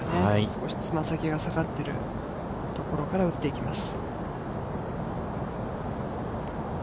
少しつま先が下がっているところから打っていきます。